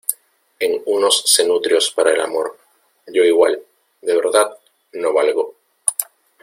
en unos cenutrios para el amor. yo igual, de verdad , no valgo .